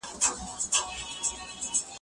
د محرمیت حق خلګو ته ارامي ورکوي.